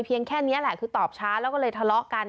แค่นี้แหละคือตอบช้าแล้วก็เลยทะเลาะกัน